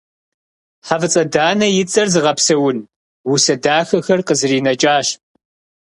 ХьэфӀыцӀэ Данэ и цӀэр зыгъэпсэун усэ дахэхэр къызэринэкӏащ.